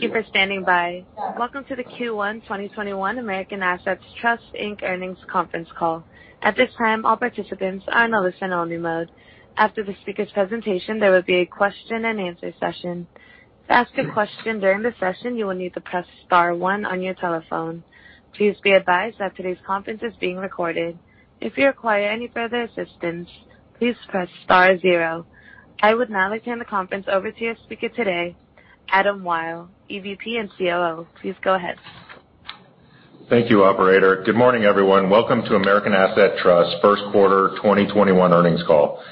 Welcome to the Q1 2021 American Assets Trust, Inc. Earnings Conference Call. At this time all participants are in listen only mode. After the speakers presentation there will be a question and answer session. To ask a question during the session you will need to press star one on your telephone. Please be advised that today's conference is being recorded. If you require any further assistance, please press star zero. I would now like to hand the conference over to your speaker today, Adam Wyll, EVP and COO. Please go ahead. Thank you, operator. Good morning, everyone. Welcome to American Assets Trust first quarter 2021 earnings call.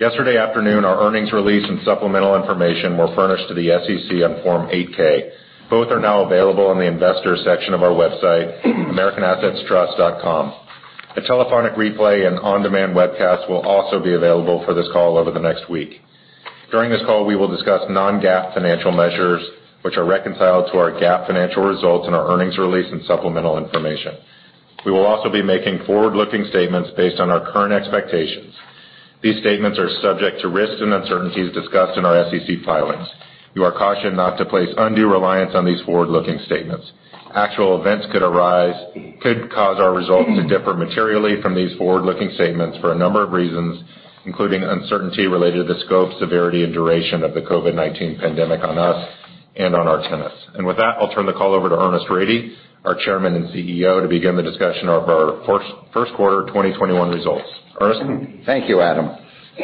Yesterday afternoon, our earnings release and supplemental information were furnished to the SEC on Form 8-K. Both are now available on the investor section of our website, americanassetstrust.com. A telephonic replay and on-demand webcast will also be available for this call over the next week. During this call, we will discuss non-GAAP financial measures, which are reconciled to our GAAP financial results in our earnings release and supplemental information. We will also be making forward-looking statements based on our current expectations. These statements are subject to risks and uncertainties discussed in our SEC filings. You are cautioned not to place undue reliance on these forward-looking statements. Actual events could arise could cause our results to differ materially from these forward-looking statements for a number of reasons, including uncertainty related to the scope, severity, and duration of the COVID-19 pandemic on us and on our tenants. With that, I'll turn the call over to Ernest Rady, our chairman and CEO, to begin the discussion of our first quarter 2021 results. Ernest? Thank you, Adam.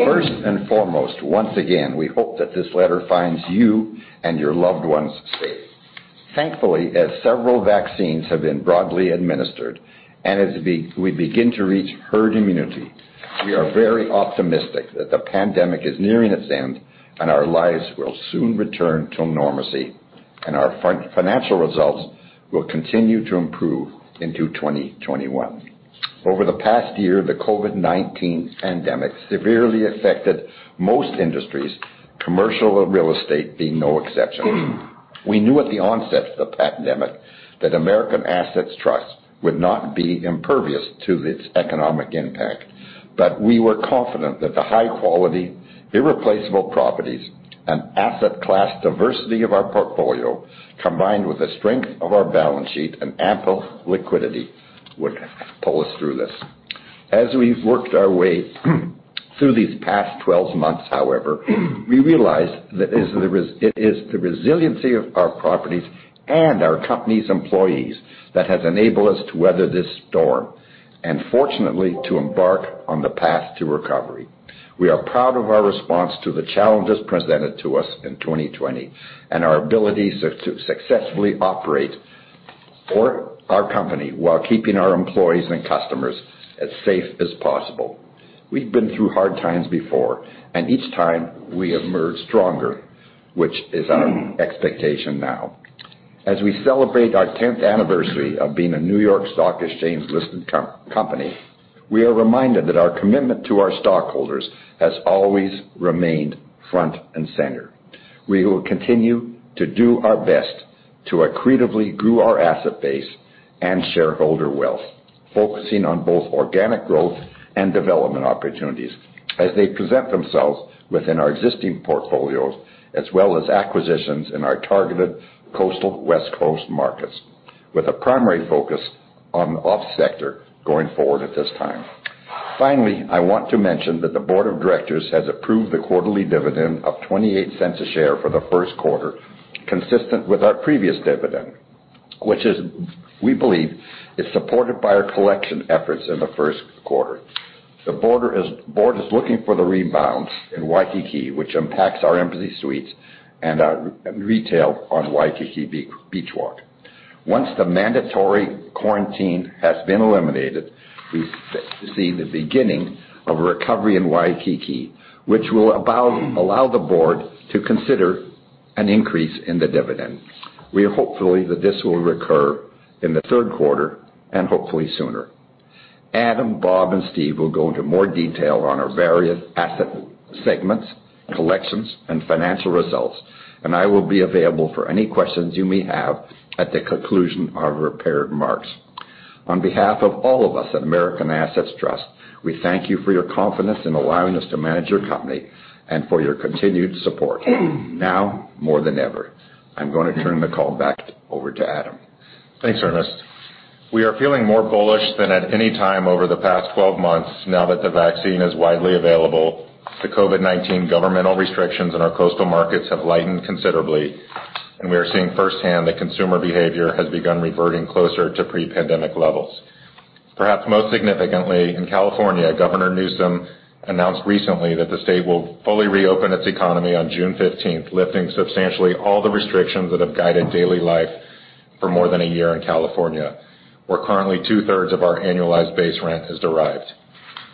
First and foremost, once again, we hope that this letter finds you and your loved ones safe. Thankfully, as several vaccines have been broadly administered, and as we begin to reach herd immunity, we are very optimistic that the pandemic is nearing its end and our lives will soon return to normalcy, and our financial results will continue to improve into 2021. Over the past year, the COVID-19 pandemic severely affected most industries, commercial real estate being no exception. We knew at the onset of the pandemic that American Assets Trust would not be impervious to its economic impact. We were confident that the high-quality, irreplaceable properties and asset class diversity of our portfolio, combined with the strength of our balance sheet and ample liquidity, would pull us through this. As we've worked our way through these past 12 months, however, we realized that it is the resiliency of our properties and our company's employees that has enabled us to weather this storm and fortunately to embark on the path to recovery. We are proud of our response to the challenges presented to us in 2020 and our ability to successfully operate for our company while keeping our employees and customers as safe as possible. We've been through hard times before, and each time we emerge stronger, which is our expectation now. As we celebrate our 10th anniversary of being a New York Stock Exchange-listed company, we are reminded that our commitment to our stockholders has always remained front and center. We will continue to do our best to accretively grow our asset base and shareholder wealth, focusing on both organic growth and development opportunities as they present themselves within our existing portfolios as well as acquisitions in our targeted coastal West Coast markets, with a primary focus on the office sector going forward at this time. Finally, I want to mention that the board of directors has approved the quarterly dividend of $0.28 a share for the first quarter, consistent with our previous dividend, which we believe is supported by our collection efforts in the first quarter. The board is looking for the rebounds in Waikiki, which impacts our Embassy Suites and our retail on Waikiki Beach Walk. Once the mandatory quarantine has been eliminated, we see the beginning of a recovery in Waikiki, which will allow the board to consider an increase in the dividend. We are hopeful that this will recur in the third quarter and hopefully sooner. Adam, Bob, and Steve will go into more detail on our various asset segments, collections, and financial results, and I will be available for any questions you may have at the conclusion of prepared remarks. On behalf of all of us at American Assets Trust, we thank you for your confidence in allowing us to manage your company and for your continued support now more than ever. I'm going to turn the call back over to Adam. Thanks, Ernest. We are feeling more bullish than at any time over the past 12 months now that the vaccine is widely available. The COVID-19 governmental restrictions in our coastal markets have lightened considerably, and we are seeing firsthand that consumer behavior has begun reverting closer to pre-pandemic levels. Perhaps most significantly, in California, Governor Newsom announced recently that the state will fully reopen its economy on June 15th, lifting substantially all the restrictions that have guided daily life for more than a year in California, where currently two-thirds of our annualized base rent is derived.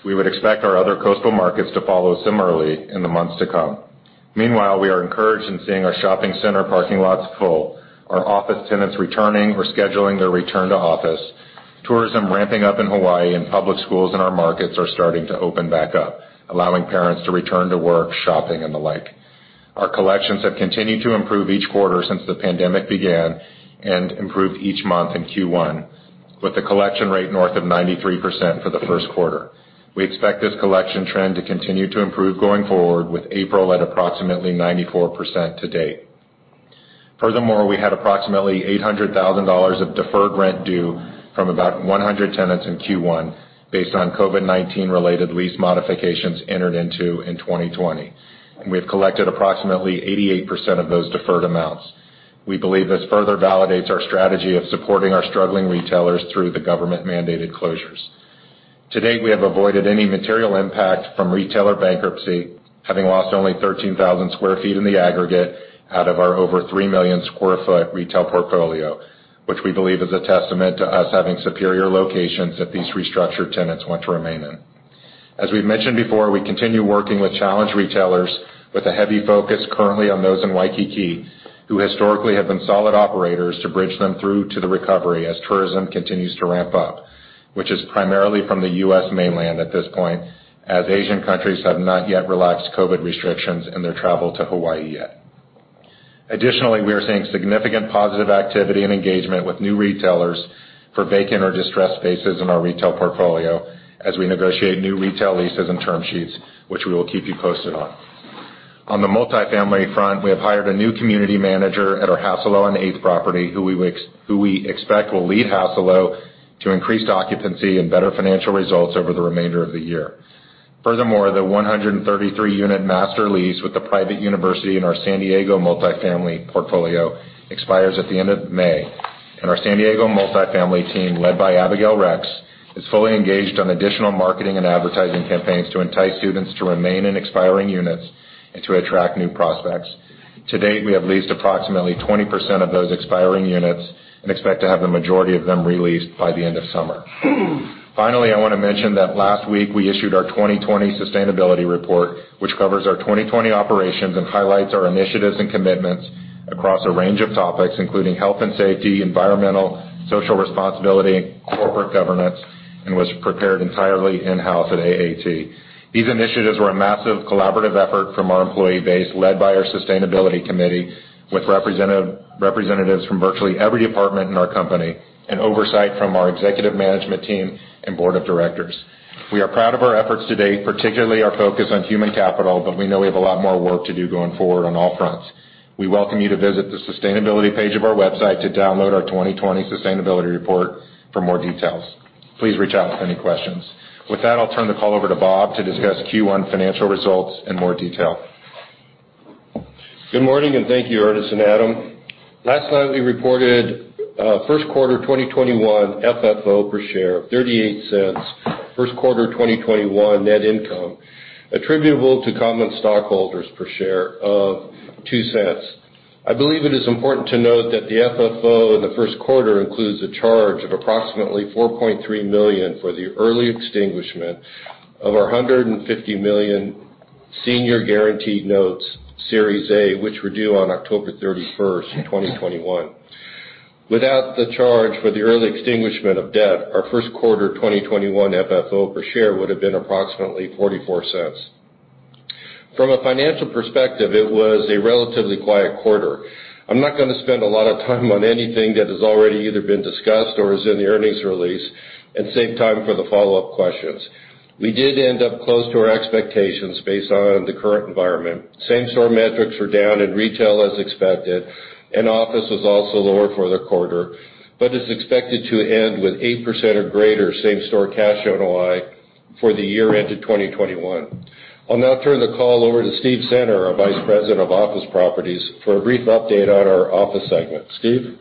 We would expect our other coastal markets to follow similarly in the months to come. Meanwhile, we are encouraged in seeing our shopping center parking lots full, our office tenants returning or scheduling their return to office, tourism ramping up in Hawaii, and public schools in our markets are starting to open back up, allowing parents to return to work, shopping, and the like. Our collections have continued to improve each quarter since the pandemic began and improved each month in Q1, with the collection rate north of 93% for the first quarter. We expect this collection trend to continue to improve going forward with April at approximately 94% to date. Furthermore, we had approximately $800,000 of deferred rent due from about 100 tenants in Q1 based on COVID-19 related lease modifications entered into in 2020, and we have collected approximately 88% of those deferred amounts. We believe this further validates our strategy of supporting our struggling retailers through the government-mandated closures. To date, we have avoided any material impact from retailer bankruptcy, having lost only 13,000 sq ft in the aggregate out of our over 3 million sq ft retail portfolio, which we believe is a testament to us having superior locations that these restructured tenants want to remain in. As we've mentioned before, we continue working with challenged retailers with a heavy focus currently on those in Waikiki who historically have been solid operators to bridge them through to the recovery as tourism continues to ramp up, which is primarily from the U.S. mainland at this point, as Asian countries have not yet relaxed COVID-19 restrictions and their travel to Hawaii yet. Additionally, we are seeing significant positive activity and engagement with new retailers for vacant or distressed spaces in our retail portfolio as we negotiate new retail leases and term sheets, which we will keep you posted on. On the multifamily front, we have hired a new community manager at our Hassalo on Eighth property who we expect will lead Hassalo to increased occupancy and better financial results over the remainder of the year. Furthermore, the 133-unit master lease with the private university in our San Diego multifamily portfolio expires at the end of May, and our San Diego multifamily team, led by Abigail Rex, is fully engaged on additional marketing and advertising campaigns to entice students to remain in expiring units and to attract new prospects. To date, we have leased approximately 20% of those expiring units and expect to have the majority of them re-leased by the end of summer. Finally, I want to mention that last week we issued our 2020 sustainability report, which covers our 2020 operations and highlights our initiatives and commitments across a range of topics including health and safety, environmental, social responsibility, corporate governance, and was prepared entirely in-house at AAT. These initiatives were a massive collaborative effort from our employee base, led by our sustainability committee, with representatives from virtually every department in our company and oversight from our executive management team and board of directors. We are proud of our efforts to date, particularly our focus on human capital, but we know we have a lot more work to do going forward on all fronts. We welcome you to visit the sustainability page of our website to download our 2020 sustainability report for more details. Please reach out with any questions. With that, I'll turn the call over to Bob to discuss Q1 financial results in more detail. Good morning, and thank you, Ernest and Adam. Last night we reported first quarter 2021 FFO per share of $0.38. First quarter 2021 net income attributable to common stockholders per share of $0.02. I believe it is important to note that the FFO in the first quarter includes a charge of approximately $4.3 million for the early extinguishment of our $150 million senior guaranteed notes, Series A, which were due on October 31st, 2021. Without the charge for the early extinguishment of debt, our first quarter 2021 FFO per share would have been approximately $0.44. From a financial perspective, it was a relatively quiet quarter. I'm not going to spend a lot of time on anything that has already either been discussed or is in the earnings release and save time for the follow-up questions. We did end up close to our expectations based on the current environment. Same-store metrics were down in retail as expected, and office was also lower for the quarter, but is expected to end with 8% or greater Same-Store Cash NOI for the year end of 2021. I'll now turn the call over to Steve Center, our Vice President of Office Properties, for a brief update on our office segment. Steve?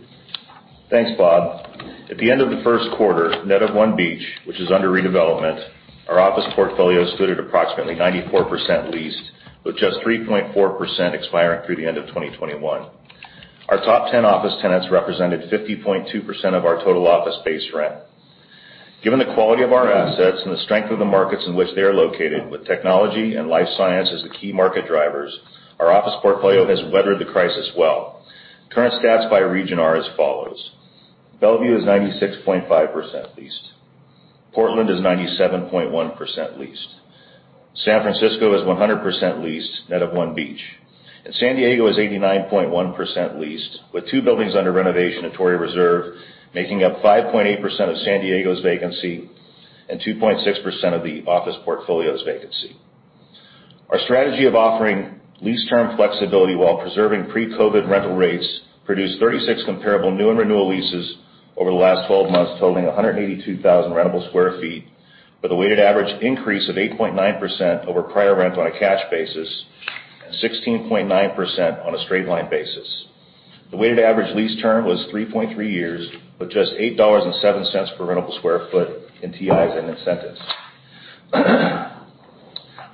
Thanks, Bob. At the end of the first quarter, net of One Beach, which is under redevelopment, our office portfolio stood at approximately 94% leased, with just 3.4% expiring through the end of 2021. Our top 10 office tenants represented 50.2% of our total office base rent. Given the quality of our assets and the strength of the markets in which they are located, with technology and life science as the key market drivers, our office portfolio has weathered the crisis well. Current stats by region are as follows: Bellevue is 96.5% leased. Portland is 97.1% leased. San Francisco is 100% leased, net of One Beach. San Diego is 89.1% leased, with two buildings under renovation at Torrey Reserve, making up 5.8% of San Diego's vacancy and 2.6% of the office portfolio's vacancy. Our strategy of offering lease term flexibility while preserving pre-COVID-19 rental rates produced 36 comparable new and renewal leases over the last 12 months, totaling 182,000 rentable square feet, with a weighted average increase of 8.9% over prior rent on a cash basis and 16.9% on a straight line basis. The weighted average lease term was 3.3 years with just $8.7 per rentable square foot in TIs and incentives.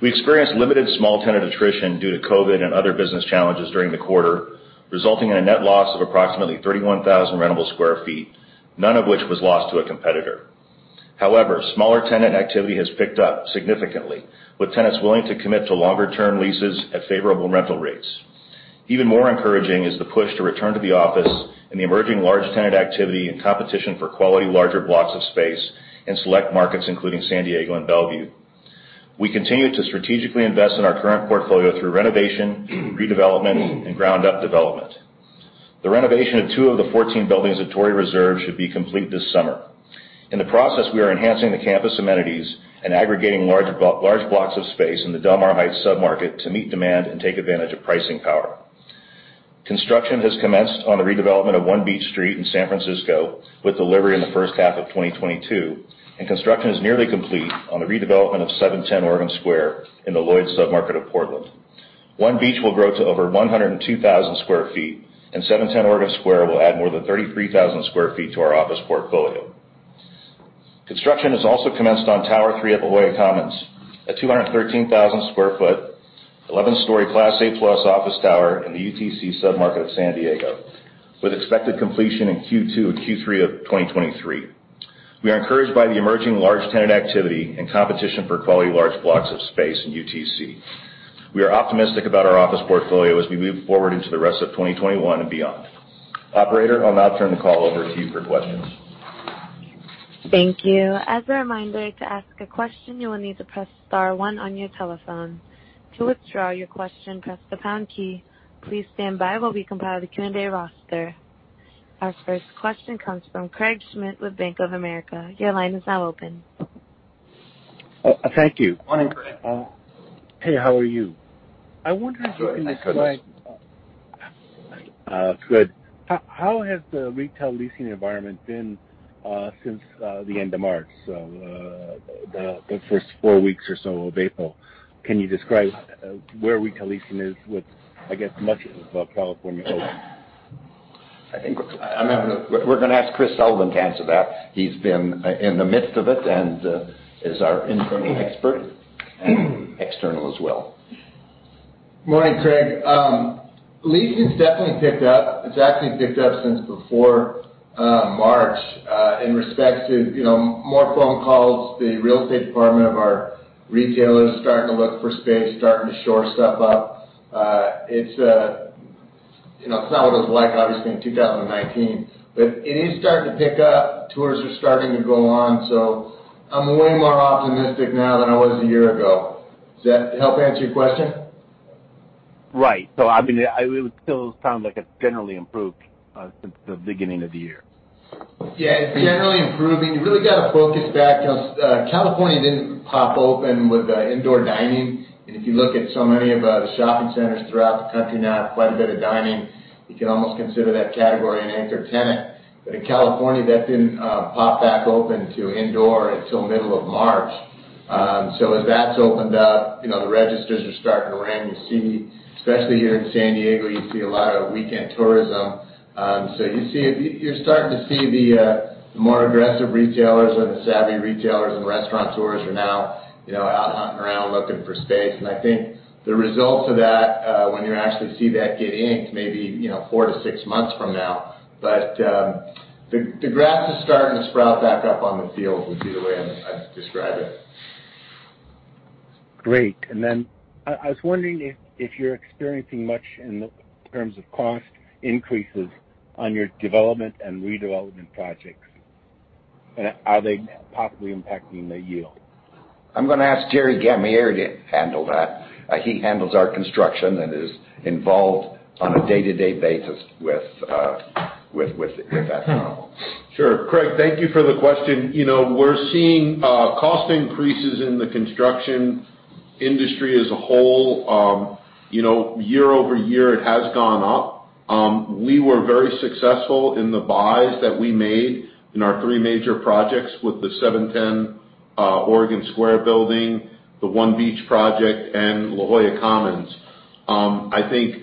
We experienced limited small tenant attrition due to COVID-19 and other business challenges during the quarter, resulting in a net loss of approximately 31,000 rentable square feet, none of which was lost to a competitor. However, smaller tenant activity has picked up significantly with tenants willing to commit to longer-term leases at favorable rental rates. Even more encouraging is the push to return to the office and the emerging large tenant activity and competition for quality larger blocks of space in select markets, including San Diego and Bellevue. We continue to strategically invest in our current portfolio through renovation, redevelopment, and ground-up development. The renovation of two of the 14 buildings at Torrey Reserve should be complete this summer. In the process, we are enhancing the campus amenities and aggregating large blocks of space in the Del Mar Heights submarket to meet demand and take advantage of pricing power. Construction has commenced on the redevelopment of One Beach Street in San Francisco, with delivery in the first half of 2022, and construction is nearly complete on the redevelopment of 710 Oregon Square in the Lloyd submarket of Portland. One Beach will grow to over 102,000 sq ft, and 710 Oregon Square will add more than 33,000 sq ft to our office portfolio. Construction has also commenced on Tower III at La Jolla Commons, a 213,000 sq ft, 11-story Class A+ office tower in the UTC submarket of San Diego, with expected completion in Q2 or Q3 of 2023. We are encouraged by the emerging large tenant activity and competition for quality large blocks of space in UTC. We are optimistic about our office portfolio as we move forward into the rest of 2021 and beyond. Operator, I'll now turn the call over to you for questions. Thank you. As a reminder, to ask a question, you will need to press star one on your telephone. To withdraw your question, press the pound key. Please stand by while we compile the Q&A roster. Our first question comes from Craig Schmidt with Bank of America. Your line is now open. Thank you. Morning, Craig. Hey, how are you? Good. Good. How has the retail leasing environment been since the end of March, so the first four weeks or so of April? Can you describe where retail leasing is with, I guess, much of California open? I think we're going to ask Chris Sullivan to answer that. He's been in the midst of it and is our internal expert, and external as well. Morning, Craig. Leasing's definitely picked up. It's actually picked up since before March in respect to more phone calls. The real estate department of our retailers starting to look for space, starting to shore stuff up. It's not what it was like, obviously, in 2019, but it is starting to pick up. Tours are starting to go on. I'm way more optimistic now than I was a year ago. Does that help answer your question? Right. I mean, it still sounds like it's generally improved since the beginning of the year. Yeah, it's generally improving. You really got to focus back. California didn't pop open with indoor dining, and if you look at so many of the shopping centers throughout the country now, quite a bit of dining, you can almost consider that category an anchor tenant. In California, that didn't pop back open to indoor until middle of March. As that's opened up, the registers are starting to ring. Especially here in San Diego, you see a lot of weekend tourism. You're starting to see the more aggressive retailers or the savvy retailers and restaurateurs are now out hunting around, looking for space, and I think the results of that, when you actually see that get inked, maybe 4 to 6 months from now. The grass is starting to sprout back up on the field, would be the way I'd describe it. Great, I was wondering if you're experiencing much in terms of cost increases on your development and redevelopment projects. Are they positively impacting the yield? I'm going to ask Jerry Gammieri here to handle that. He handles our construction and is involved on a day-to-day basis with that now. Sure. Craig, thank you for the question. We're seeing cost increases in the construction industry as a whole. Year-over-year, it has gone up. We were very successful in the buys that we made in our three major projects with the 710 Oregon Square building, the One Beach project, and La Jolla Commons. I think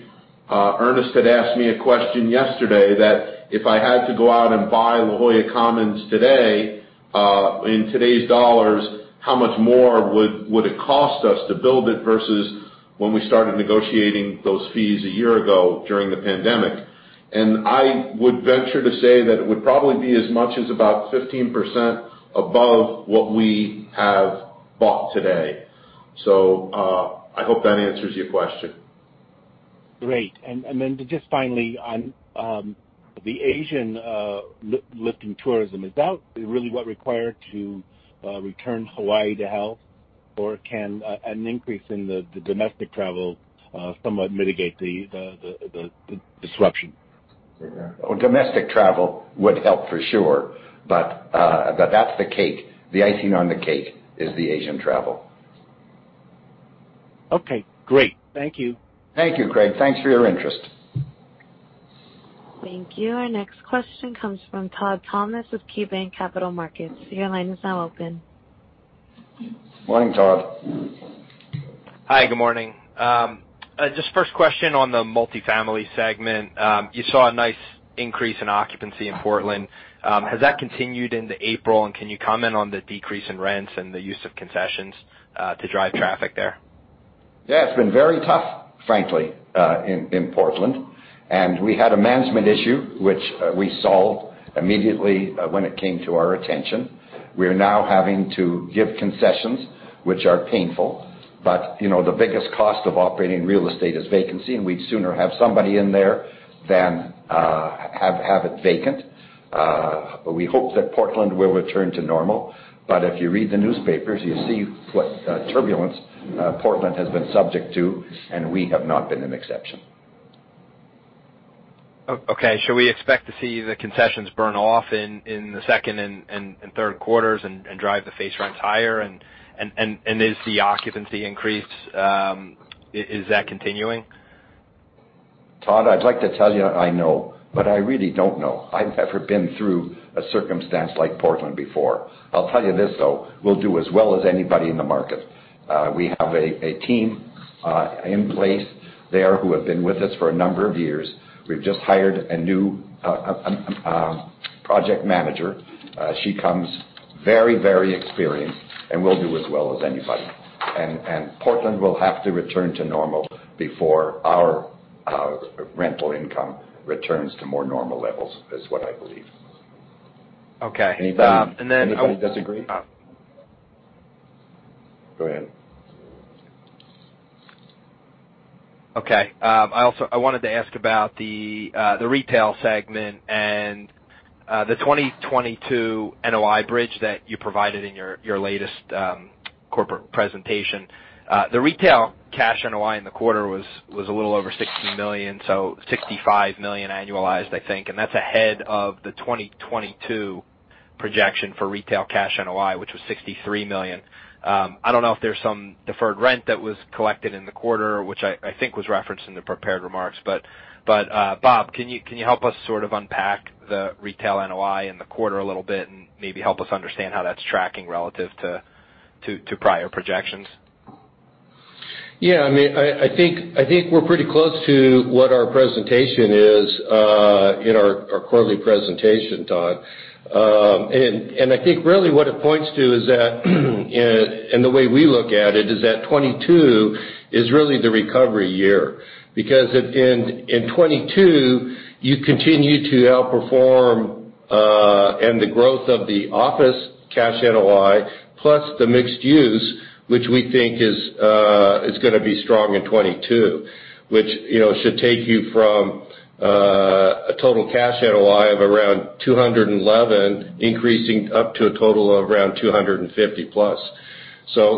Ernest had asked me a question yesterday that if I had to go out and buy La Jolla Commons today, in today's dollars, how much more would it cost us to build it versus when we started negotiating those fees a year ago during the pandemic. I would venture to say that it would probably be as much as about 15% above what we have bought today. I hope that answers your question. Great. Just finally, on the Asian lifting tourism, is that really what required to return Hawaii to health, or can an increase in the domestic travel somewhat mitigate the disruption? Domestic travel would help for sure. That's the cake. The icing on the cake is the Asian travel. Okay, great. Thank you. Thank you, Craig. Thanks for your interest. Thank you. Our next question comes from Todd Thomas with KeyBanc Capital Markets. Your line is now open. Morning, Todd. Hi, good morning. Just first question on the multifamily segment. You saw a nice increase in occupancy in Portland. Has that continued into April, and can you comment on the decrease in rents and the use of concessions to drive traffic there? Yeah, it's been very tough, frankly, in Portland. We had a management issue, which we solved immediately when it came to our attention. We are now having to give concessions, which are painful. The biggest cost of operating real estate is vacancy, and we'd sooner have somebody in there than have it vacant. We hope that Portland will return to normal. If you read the newspapers, you see what turbulence Portland has been subject to, and we have not been an exception. Okay. Should we expect to see the concessions burn off in the second and third quarters and drive the face rents higher and is the occupancy increase, is that continuing? Todd, I'd like to tell you I know, but I really don't know. I've never been through a circumstance like Portland before. I'll tell you this, though, we'll do as well as anybody in the market. We have a team in place there who have been with us for a number of years. We've just hired a new project manager. She comes very experienced. We'll do as well as anybody. Portland will have to return to normal before our rental income returns to more normal levels, is what I believe. Okay. Anybody disagree? Go ahead. I wanted to ask about the retail segment and the 2022 NOI bridge that you provided in your latest corporate presentation. The retail cash NOI in the quarter was a little over $60 million, so $65 million annualized, I think. That's ahead of the 2022 projection for retail cash NOI, which was $63 million. I don't know if there's some deferred rent that was collected in the quarter, which I think was referenced in the prepared remarks. Bob, can you help us sort of unpack the retail NOI in the quarter a little bit, and maybe help us understand how that's tracking relative to prior projections? Yeah. I think we're pretty close to what our presentation is in our quarterly presentation, Todd. I think really what it points to is that, and the way we look at it, is that 2022 is really the recovery year. In 2022, you continue to outperform in the growth of the office Cash NOI, plus the mixed use, which we think is going to be strong in 2022. Which should take you from a total Cash NOI of around $211 increasing up to a total of around $250+.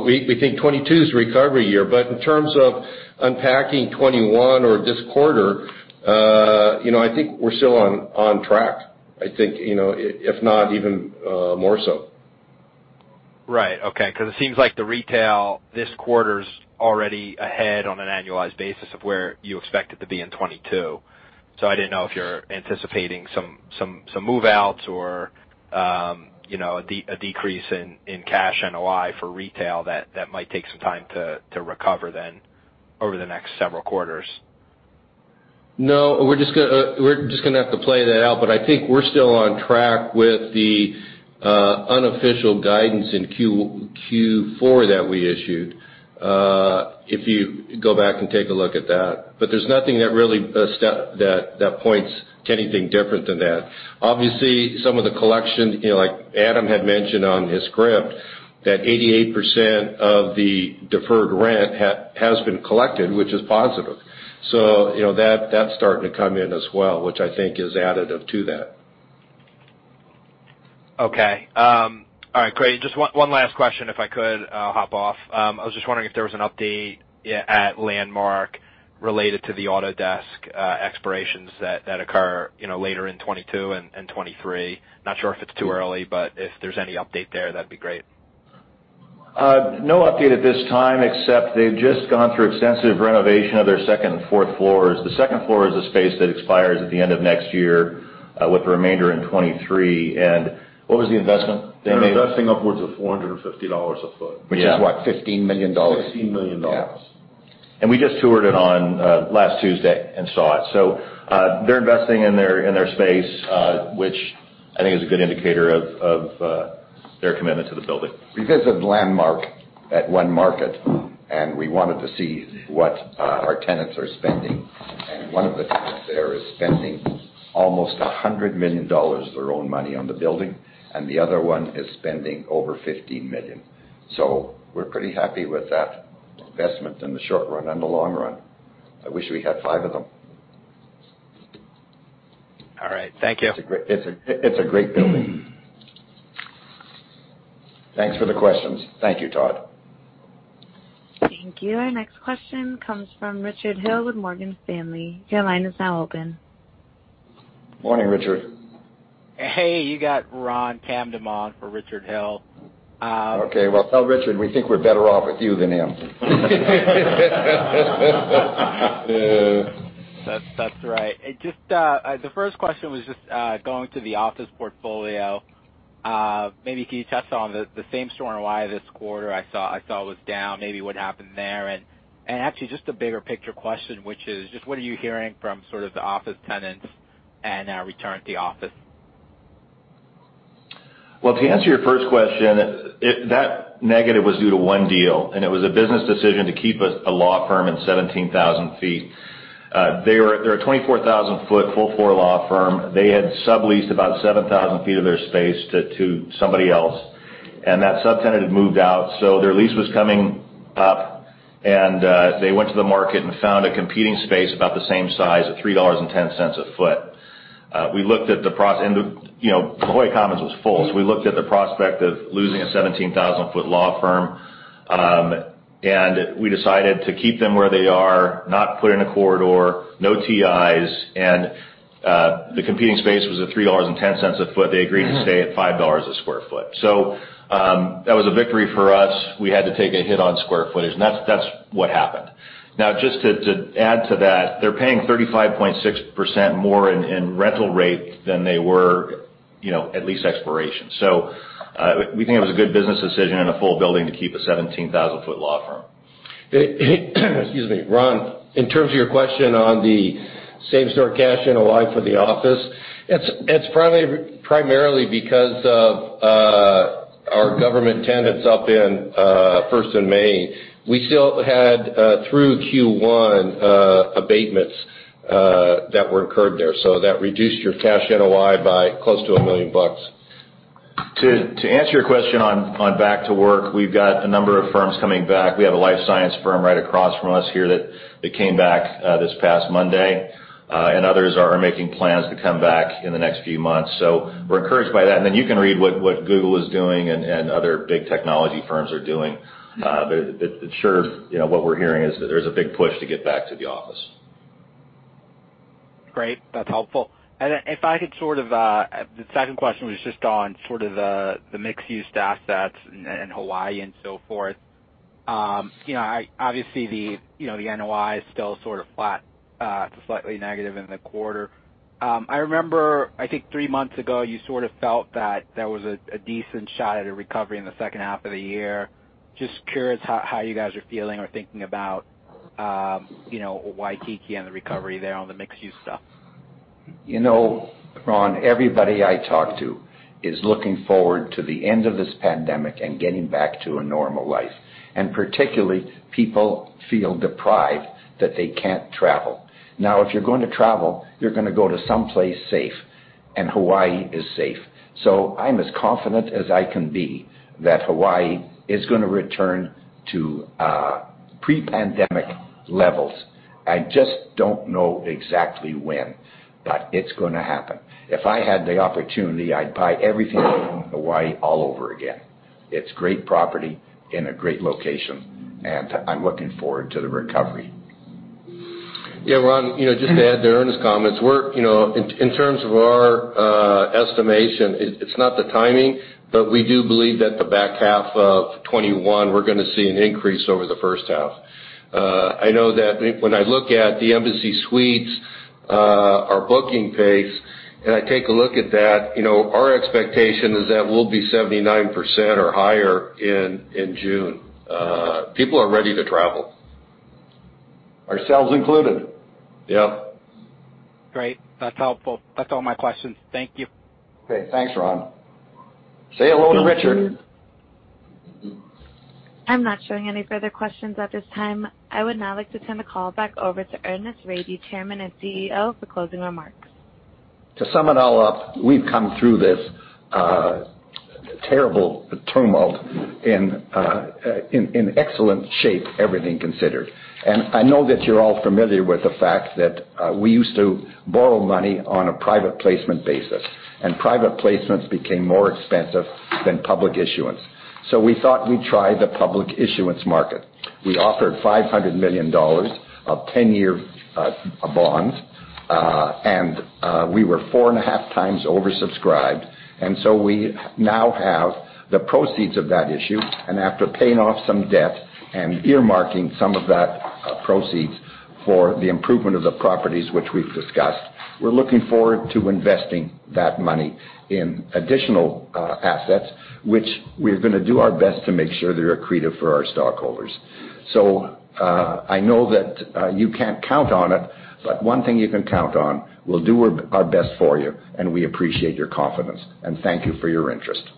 We think 2022 is the recovery year. In terms of unpacking 2021 or this quarter, I think we're still on track. I think, if not even more so. Right. Okay. It seems like the retail this quarter's already ahead on an annualized basis of where you expect it to be in 2022. I didn't know if you're anticipating some move-outs or a decrease in cash NOI for retail that might take some time to recover then over the next several quarters. We're just going to have to play that out. I think we're still on track with the unofficial guidance in Q4 that we issued. If you go back and take a look at that. There's nothing that really that points to anything different than that. Obviously, some of the collection, like Adam had mentioned on his script, that 88% of the deferred rent has been collected, which is positive. That's starting to come in as well, which I think is additive to that. Okay. All right, great. Just one last question if I could, I'll hop off. I was just wondering if there was an update at Landmark related to the Autodesk expirations that occur later in 2022 and 2023. Not sure if it's too early, but if there's any update there, that'd be great. No update at this time, except they've just gone through extensive renovation of their second and fourth floors. The second floor is a space that expires at the end of next year, with the remainder in 2023. What was the investment they made? They're investing upwards of $450 a foot. Yeah. Which is what? $15 million. $15 million. Yeah. We just toured it on last Tuesday and saw it. They're investing in their space, which I think is a good indicator of their commitment to the building. We visited Landmark at One Market, and we wanted to see what our tenants are spending. One of the tenants there is spending almost $100 million of their own money on the building, and the other one is spending over $15 million. We're pretty happy with that investment in the short run and the long run. I wish we had five of them. All right. Thank you. It's a great building. Thanks for the questions. Thank you, Todd. Thank you. Our next question comes from Richard Hill with Morgan Stanley. Your line is now open. Morning, Richard. Hey, you got Ron Kamdem for Richard Hill. Okay. Well, tell Richard we think we're better off with you than him. That's right. The first question was just going to the office portfolio. Maybe can you touch on the Same-Store NOI this quarter, I saw it was down? Maybe what happened there? Actually, just a bigger picture question, which is just what are you hearing from sort of the office tenants and a return to office? Well, to answer your first question, that negative was due to one deal, and it was a business decision to keep a law firm in 17,000 feet. They are a 24,000-foot, full floor law firm. They had subleased about 7,000 feet of their space to somebody else, and that subtenant had moved out. Their lease was coming up, and they went to the market and found a competing space about the same size at $3.10 a foot. La Jolla Commons was full, so we looked at the prospect of losing a 17,000-foot law firm, and we decided to keep them where they are, not put in a corridor, no TIs, and the competing space was at $3.10 a foot. They agreed to stay at $5 a square foot. That was a victory for us. We had to take a hit on square footage, and that's what happened. Just to add to that, they're paying 35.6% more in rental rate than they were at lease expiration. We think it was a good business decision and a full building to keep a 17,000-foot law firm. Excuse me. Ron, in terms of your question on the Same-Store Cash NOI for the office, it's primarily because of our government tenants up in First and Main. We still had, through Q1, abatements that were incurred there. That reduced your cash NOI by close to $1 million. To answer your question on back to work, we've got a number of firms coming back. We have a life science firm right across from us here that came back this past Monday. Others are making plans to come back in the next few months. We're encouraged by that. Then you can read what Google is doing and other big technology firms are doing. Sure, what we're hearing is that there's a big push to get back to the office. Great. That's helpful. The second question was just on sort of the mixed-use assets in Hawaii and so forth. Obviously, the NOI is still sort of flat to slightly negative in the quarter. I remember, I think, three months ago, you sort of felt that there was a decent shot at a recovery in the second half of the year. Just curious how you guys are feeling or thinking about Waikiki and the recovery there on the mixed-use stuff. Ron, everybody I talk to is looking forward to the end of this pandemic and getting back to a normal life. Particularly, people feel deprived that they can't travel. Now, if you're going to travel, you're going to go to someplace safe, and Hawaii is safe. I'm as confident as I can be that Hawaii is going to return to pre-pandemic levels. I just don't know exactly when, but it's going to happen. If I had the opportunity, I'd buy everything in Hawaii all over again. It's great property in a great location, and I'm looking forward to the recovery. Yeah, Ron, just to add to Ernest's comments. In terms of our estimation, it's not the timing, but we do believe that the back half of 2021, we're going to see an increase over the first half. I know that when I look at the Embassy Suites, our booking pace, and I take a look at that, our expectation is that we'll be 79% or higher in June. People are ready to travel. Ourselves included. Yep. Great. That's helpful. That's all my questions. Thank you. Okay, thanks, Ron. Say hello to Richard. I'm not showing any further questions at this time. I would now like to turn the call back over to Ernest Rady, Chairman and CEO, for closing remarks. To sum it all up, we've come through this terrible turmoil in excellent shape, everything considered. I know that you're all familiar with the fact that we used to borrow money on a private placement basis, and private placements became more expensive than public issuance. We thought we'd try the public issuance market. We offered $500 million of 10-year bonds, and we were four and a half times oversubscribed. We now have the proceeds of that issue, and after paying off some debt and earmarking some of that proceeds for the improvement of the properties which we've discussed, we're looking forward to investing that money in additional assets, which we're going to do our best to make sure they're accretive for our stockholders. I know that you can't count on it, but one thing you can count on, we'll do our best for you, and we appreciate your confidence. Thank you for your interest.